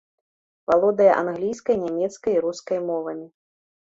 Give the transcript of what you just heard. Валодае англійскай, нямецкай і рускай мовамі.